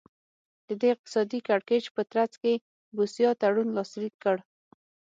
د دې اقتصادي کړکېچ په ترڅ کې بوسیا تړون لاسلیک کړ.